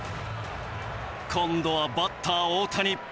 今度はバッター大谷。